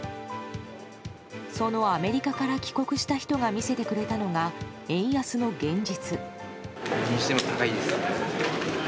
そのアメリカから帰国した人が見せてくれたのが円安の現実。